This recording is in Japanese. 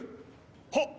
はっ！